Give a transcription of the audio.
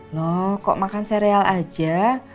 loh kok makan sereal aja